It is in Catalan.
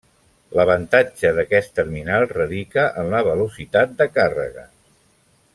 L'avantatge d'aquest terminal radica en la velocitat de càrrega.